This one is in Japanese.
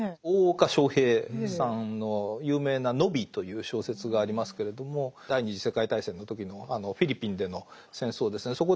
大岡昇平さんの有名な「野火」という小説がありますけれども第二次世界大戦の時のあのフィリピンでの戦争ですね